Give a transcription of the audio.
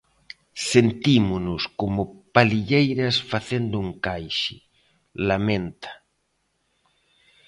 Sentímonos como palilleiras facendo encaixe, lamenta.